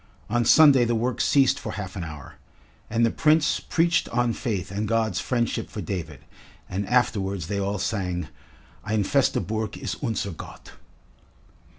On Sunday the work ceased for half an hour, and the Prince preached on faith and God's friendship for David, and afterwards they all sang: "Ein feste Burg ist unser Gott."